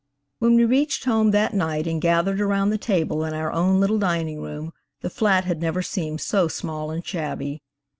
When we reached home that night and gathered around the table in our own little dining room, the flat had never seemed so small and shabby.